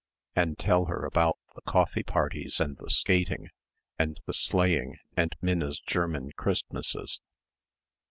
and tell her about the coffee parties and the skating and the sleighing and Minna's German Christmasses....